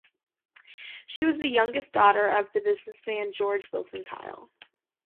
She was the youngest daughter of the businessman George Wilson Kyle.